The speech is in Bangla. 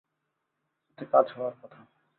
এতে কাজ হওয়ার কথা।